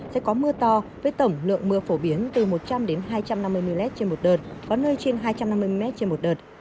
sẽ có mưa to với tổng lượng mưa phổ biến từ một trăm linh hai trăm năm mươi mm trên một đợt có nơi trên hai trăm năm mươi mm trên một đợt